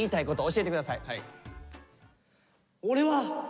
教えてください。